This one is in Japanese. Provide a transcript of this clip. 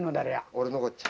俺のこっちゃ。